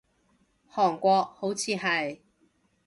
韓國，好似係